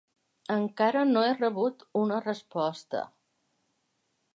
Encara no he rebut una resposta.